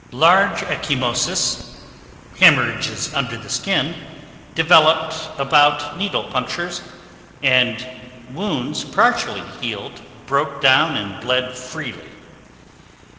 Large ecchymoses (hemorrhages under the skin) developed about needle punctures, and wounds partially healed broke down and bled freely.